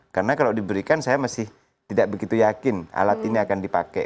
karena kalau diberikan saya masih tidak begitu yakin alat ini akan dipakai